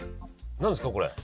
何ですかこれ？